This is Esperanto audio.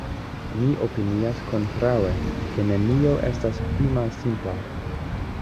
Mi opinias kontraŭe, ke nenio estas pli malsimpla.